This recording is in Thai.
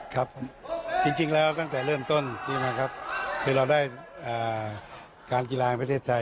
ครับจริงแล้วตั้งแต่เริ่มต้นที่เราได้การกีฬาของประเทศไทย